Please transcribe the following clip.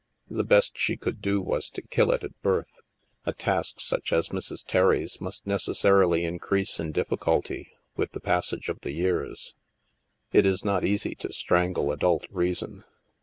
The best she could dd was to kill it at birth. A task such as Mrs. Terry's must necessarily increase in difficulty with the pas sage of the years ; it is not easy to strangle adult rea son.